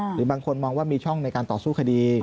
หรือบางคนมองว่ามีช่องในการต่อสู้คดี